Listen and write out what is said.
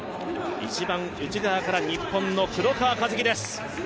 １番内側から日本の黒川和樹です！